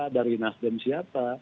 dari nasdem siapa